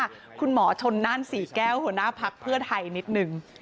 ดูหน้าคุณหมอชนนั่นสี่แก้วหัวหน้าพักเพื่อไทยนิดหนึ่ง